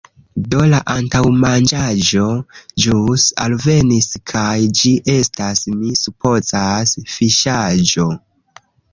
Do, la antaŭmanĝaĵo ĵus alvenis kaj ĝi estas, mi supozas, fiŝaĵo.